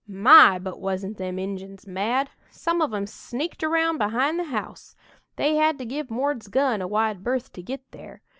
"My, but wasn't them Injuns mad! Some of 'em sneaked around behind the house they had to give 'Mord's' gun a wide berth to git there!